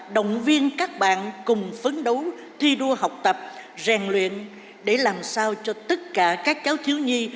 động viên các bạn cùng phấn đấu thi đua học tập rèn luyện để làm sao cho tất cả các cháu thiếu nhi